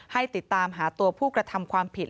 ให้ติดตามหาตัวผู้กระทำความผิด